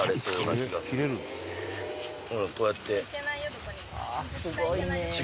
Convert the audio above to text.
こうやって。